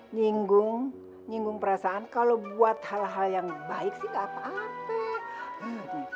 nyinggung nyinggung perasaan kalau buat hal hal yang baik sih enggak apa apa